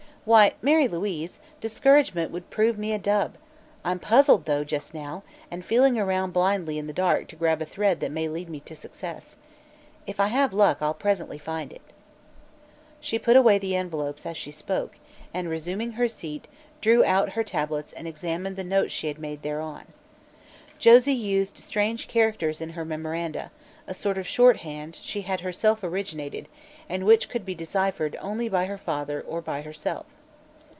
Why, Mary Louise, discouragement would prove me a dub. I'm puzzled, though, just now, and feeling around blindly in the dark to grab a thread that may lead me to success. If I have luck, presently I'll find it." She put away the envelopes, as she spoke, and resuming her seat drew out her tablets and examined the notes she had made thereon. Josie used strange characters in her memoranda, a sort of shorthand she had herself originated and which could be deciphered only by her father or by herself.